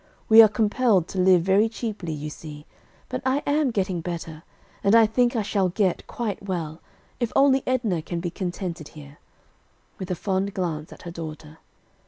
We are compelled to live very cheaply, you see, but I am getting better, and I think I shall get quite well, if only Edna can be contented here," with a fond glance at her daughter.